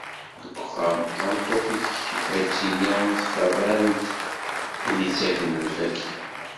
Deg uxxam, tameṭṭut-ik ad k-tili am tferrant i d-ittaken lfakya.